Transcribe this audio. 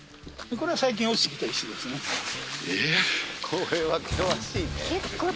これは険しいね。